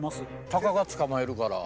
タカが捕まえるから。